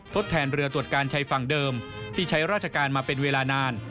ทดแทนเรือตรวจการชายฝั่งเดิมที่ใช้ราชการมาเป็นเวลานาน